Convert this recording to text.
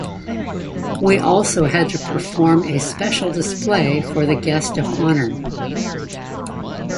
We also had to perform a special display for the Guest of Honour.